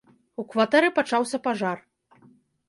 У кватэры пачаўся пажар.